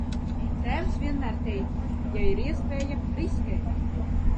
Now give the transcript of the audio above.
Tēvs vienmēr teica: ja ir iespēja, riskē!